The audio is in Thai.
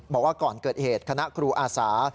บอกว่าก่อนเกิดเหตุคณะครูอาสา